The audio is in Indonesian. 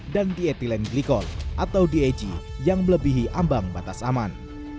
dan dietilen glikol atau deg yang melebihi ambang batas aman